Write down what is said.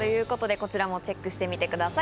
こちらも皆さんチェックしてみてください。